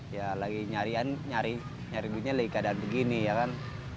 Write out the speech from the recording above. ya lagi nyari nyari duitnya keadaan begini ya kan